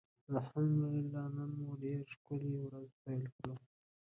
الحمدالله نن مو ډيره ښکلي ورځ پېل کړه.